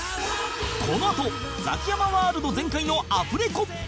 このあとザキヤマワールド全開のアフレコ